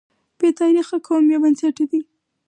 بې تاریخه قوم بې بنسټه دی.